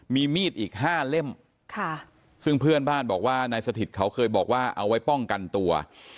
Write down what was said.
มีมีดอีก๕เล่มซึ่งเพื่อนบ้านบอกว่านายสถิตเขาเคยบอกว่าเอาไว้ป้องกันตัว